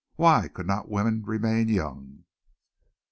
Why could not women remain young?